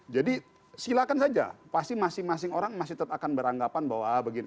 jadi silakan saja pasti masing masing orang masih tetap akan beranggapan bahwa begini